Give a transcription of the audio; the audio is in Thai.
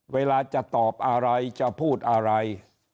เวลาจะตอบอะไรจะพูดอะไร